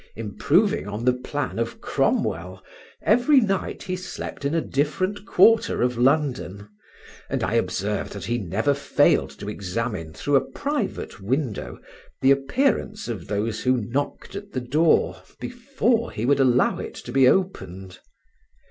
Improving on the plan of Cromwell, every night he slept in a different quarter of London; and I observed that he never failed to examine through a private window the appearance of those who knocked at the door before he would allow it to be opened.